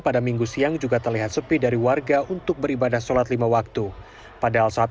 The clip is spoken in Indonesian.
pada minggu siang juga terlihat sepi dari warga untuk beribadah sholat lima waktu padahal saat